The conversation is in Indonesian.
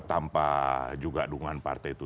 tanpa juga dukungan partai itu